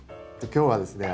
今日はですね